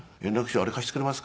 あれ貸してくれますか？